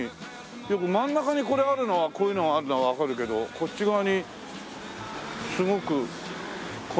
よく真ん中にこれあるのはこういうのがあるのはわかるけどこっち側にすごくこのようななんつうの？